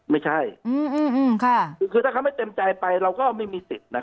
ไม่ใช่คือถ้าเขาไม่เต็มใจไปเราก็ไม่มีสิทธิ์